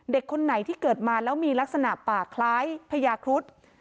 คนไหนที่เกิดมาแล้วมีลักษณะป่าคล้ายพญาครุฑ